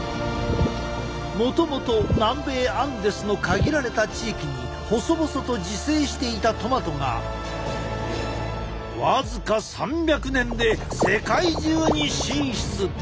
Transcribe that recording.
もともと南米アンデスの限られた地域に細々と自生していたトマトが僅か３００年で世界中に進出！